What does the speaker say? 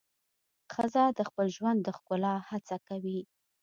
ښځه د خپل ژوند د ښکلا هڅه کوي.